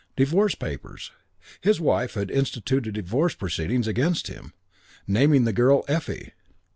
Divorce papers. His wife had instituted divorce proceedings against him. Naming the girl, Effie.